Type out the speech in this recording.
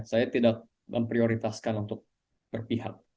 saya tidak memprioritaskan untuk berpihak